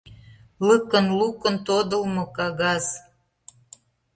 Лыкын-лукын тодылмо кагаз.